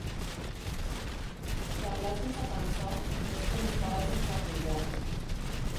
Parlar sense pensar és com disparar sense apuntar.